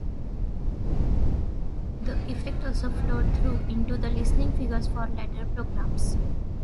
The effect also flowed through into the listening figures for later programmes.